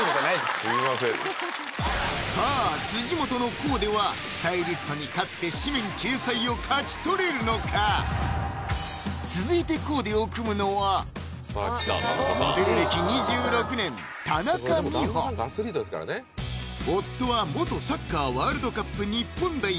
すいませんさあ辻元のコーデはスタイリストに勝って誌面掲載を勝ち取れるのか⁉続いてコーデを組むのは夫は元サッカーワールドカップ日本代表